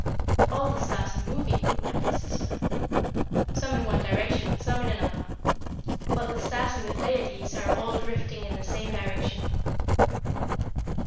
"All the stars are moving," replied his sister. "Some in one direction, some in another; but the stars in the Pleiades are all drifting in the same direction.